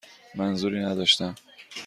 منظوری نداشتم.